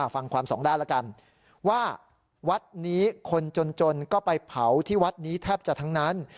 ฟังความสองด้านแล้วกันว่าวัดนี้คนจนก็ไปเผาที่วัดนี้แทบจะทั้งนั้น